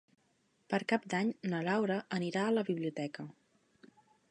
Per Cap d'Any na Laura anirà a la biblioteca.